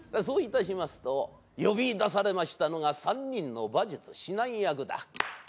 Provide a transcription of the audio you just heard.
そういたしますと呼びいだされましたのが３人の馬術指南役だ。